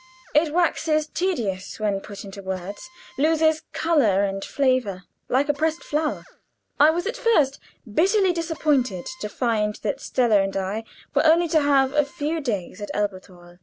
It waxes tedious when put into words loses color and flavor, like a pressed flower. I was at first bitterly disappointed to find that Stella and I were only to have a few days at Elberthal.